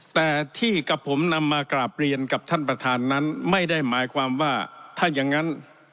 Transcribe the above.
แต่ที่กับผมนำมากราบเรียนกับท่านประธานนั้นไม่ได้หมายความว่าถ้าอย่างนั้น